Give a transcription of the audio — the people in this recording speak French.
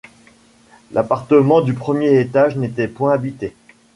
L’appartement du premier étage n’était point habité.